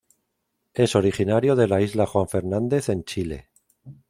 Es originario de la isla Juan Fernandez en Chile.